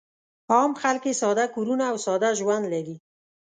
عام خلک یې ساده کورونه او ساده ژوند لري.